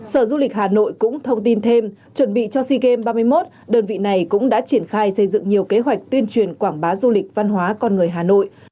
sở du lịch hà nội cũng thông tin thêm chuẩn bị cho sea games ba mươi một đơn vị này cũng đã triển khai xây dựng nhiều kế hoạch tuyên truyền quảng bá du lịch văn hóa con người hà nội